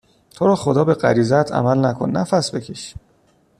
تورو خدا به غریزهات عمل نکن نفس بکش